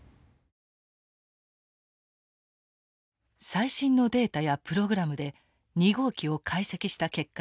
最新のデータやプログラムで２号機を解析した結果です。